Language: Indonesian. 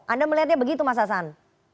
anda melihatnya begitu mas hasan